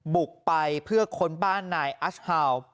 บุกไปเพื่อค้นบ้านนายอัชฮาว